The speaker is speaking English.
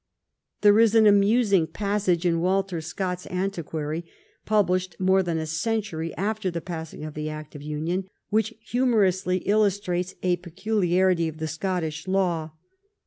There is an amusing passage in Walter Scott's Antiqiiary, published more than a century after the passing of the act of union, which humorously illus trates a peculiarity of the Scottish law.